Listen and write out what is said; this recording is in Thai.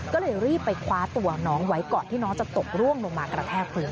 ก็เลยรีบไปคว้าตัวน้องไว้ก่อนที่น้องจะตกร่วงลงมากระแทกพื้น